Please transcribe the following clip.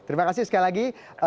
terima kasih sekali lagi